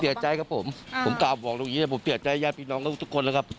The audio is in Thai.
อยากพูดอะไรกับทั้งครอบครัวครับ